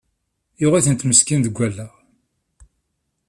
Yuɣ-itent meskin deg allaɣ!